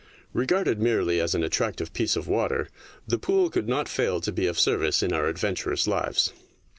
Regarded merely as an attractive piece of water, the pool could not fail to be of service in our adventurous lives.